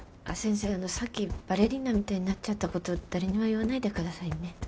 あのさっきバレリーナみたいになっちゃったこと誰にも言わないでくださいね。